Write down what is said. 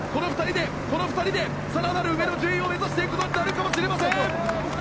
この２人で更なる上の順位を目指していくことになるかもしれません。